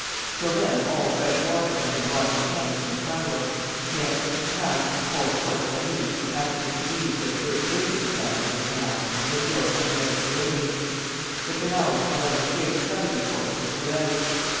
Till then all fresh water had been brought in tanks from Cairo. Next, a town called Port Saïd, after the khedive who had first favored the plan of the canal was built on the Mediterranean. The canal was to run a straight southerly course to Suez.